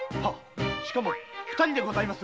しかも二人でございます。